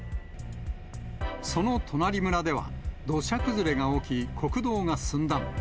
その隣村では土砂崩れが起き、国道が寸断。